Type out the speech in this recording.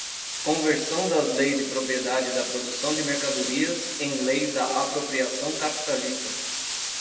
Conversão das leis de propriedade da produção de mercadorias em leis da apropriação capitalista